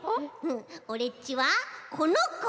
オレっちはこのこ！